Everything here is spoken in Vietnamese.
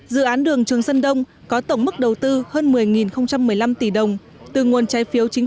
dự án đường trường sơn đông có tổng mức đầu tư hơn một mươi một mươi năm tỷ đồng từ nguồn trái phiếu chính